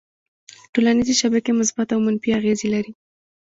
ټولنیزې شبکې مثبت او منفي اغېزې لري.